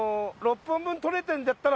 本分撮れてるんだったら。